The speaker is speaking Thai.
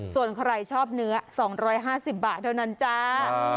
ส่วนใครชอบเนื้อ๒๕๐บาทเท่านั้นจ้า